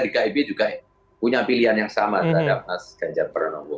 di kib juga punya pilihan yang sama terhadap mas ganjar pranowo